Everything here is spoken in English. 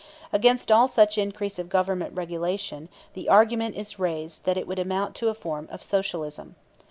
Against all such increase of Government regulation the argument is raised that it would amount to a form of Socialism.